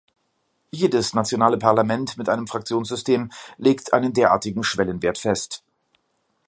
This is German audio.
Jedes nationale Parlament mit einem Fraktionssystem legt einen derartigen Schwellenwert fest.